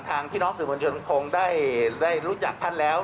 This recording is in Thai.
พี่น้องสื่อมวลชนคงได้รู้จักท่านแล้ว